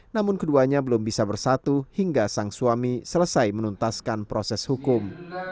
namun keduanya belum bisa bersatu hingga sang suami selesai menuntaskan proses hukum